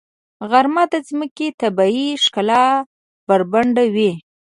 غرمه د ځمکې طبیعي ښکلا بربنډوي.